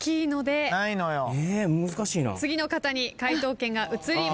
次の方に解答権が移ります。